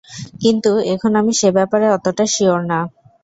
কিন্তু এখন আমি সে ব্যাপারে অতটা শিওর না।